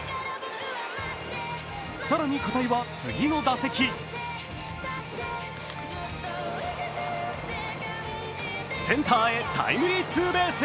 更に片井は次の打席センターへタイムリーツーベース。